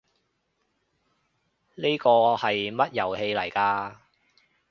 呢個係乜遊戲嚟㗎？